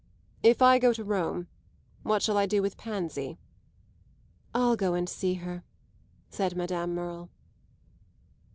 "If I go to Rome what shall I do with Pansy?" "I'll go and see her," said Madame Merle.